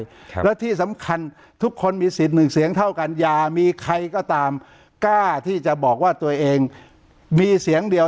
ครับและที่สำคัญทุกคนมีสิทธิ์หนึ่งเสียงเท่ากันอย่ามีใครก็ตามกล้าที่จะบอกว่าตัวเองมีเสียงเดียว